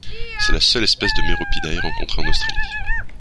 C'est la seule espèce de Meropidae rencontrée en Australie.